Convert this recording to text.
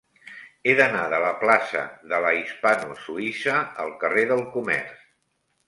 He d'anar de la plaça de la Hispano Suïssa al carrer del Comerç.